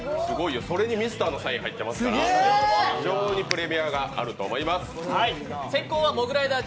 それにミスターのサインが入ってますから、非常にプレミアがあると思います。